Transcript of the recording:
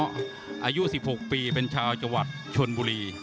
อายุ๑๖ปีเป็นชาวจังหวัดชนบุรี